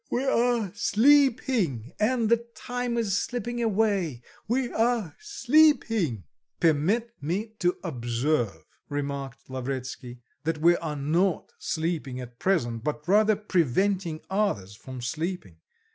We are sleeping, and the time is slipping away; we are sleeping.".... "Permit me to observe," remarked Lavretsky, "that we are not sleeping at present but rather preventing others from sleeping.